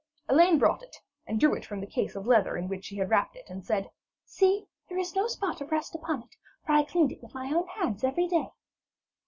Elaine brought it and drew it from the case of leather in which she had wrapped it, and said, 'See, there is no spot of rust upon it, for I have cleaned it with my own hands every day.'